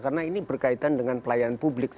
karena ini berkaitan dengan pelayan publik